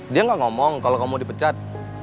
dia gak ngomong kalau kamu dipecat